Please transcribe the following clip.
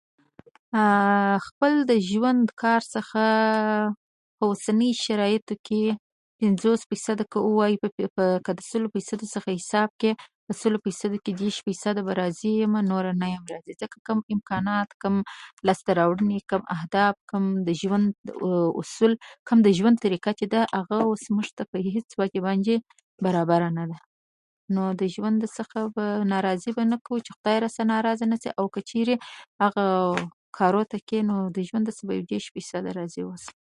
خپل د ژوند کار څخه په اوسني شرایطو کې پنځوس، که ووایو د سلو فیصدو څخه حساب کړې، د سلو فیصدو کې دېرش فیصده راضي یمه، نور نه یمه راضي. ځکه کوم امکانات، کوم لاسته راوړنې او اهداف، او کوم د ژوند اصول، کوم د ژوند طریقه چې ده، موږ ته په هېڅ وجه برابره نه ده. نو د ژوند د څخه ناراضي به نه کوو چې خدای راڅخه ناراضه نه شي، خو هغه کارو ته کېنو، نو ژوند څخه به دېرش فیصده راضي واوسو.